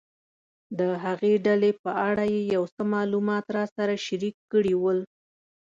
د هغې ډلې په اړه یې یو څه معلومات راسره شریک کړي ول.